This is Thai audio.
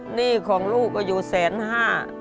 หนี้ของลูกก็อยู่แสนห้า